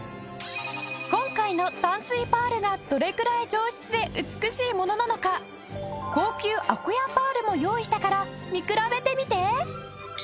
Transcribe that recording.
今回の淡水パールがどれくらい上質で美しいものなのか高級アコヤパールも用意したから見比べてみて！